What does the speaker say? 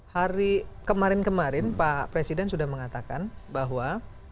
hari kemarin kemarin pak presiden sudah mengatakan bahwa